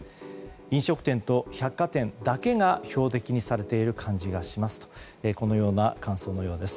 飲食店と百貨店だけが標的にされている感じがしますとこのような感想のようです。